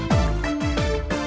mau balik bisa